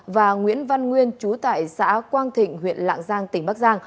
và nguyễn văn nguyên chú tại xã quang thịnh huyện lạng giang tỉnh bắc giang